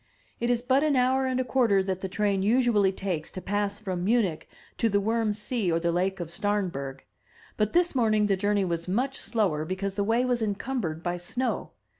It is but an hour and a quarter that the train usually takes to pass from Munich to the Wurm See or Lake of Stamberg; but this morning the journey was much slower, because the way was encumbered by snow.